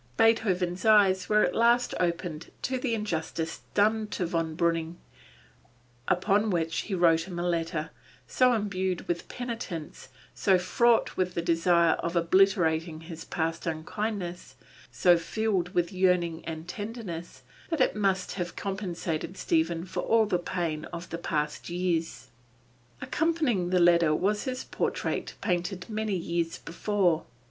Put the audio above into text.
Beethoven's eyes were at last opened to the injustice done Von Breuning, upon which he wrote him a letter, so imbued with penitence, so fraught with the desire of obliterating his past unkindness, so filled with yearning and tenderness, that it must have compensated Stephen for all the pain of the past years. Accompanying the letter was his portrait painted many years before.